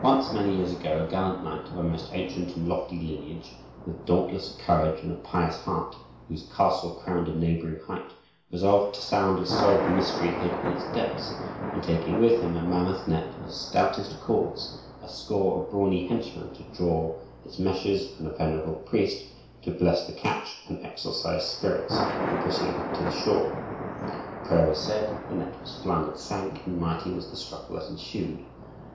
Once, many years ago, a gallant knight, of a most ancient and lofty lineage, with dauntless courage and a pious heart, whose castle crowned a neighboring height, resolved to sound and solve the mystery hid in its depths; and, taking with him a mammoth net of stoutest cords, a score of brawny henchmen to draw its meshes, and a venerable priest, to bless the catch and exorcise spirits, he proceeded to the shore. Prayer was said, the net was flung and sank, and mighty was the struggle that ensued.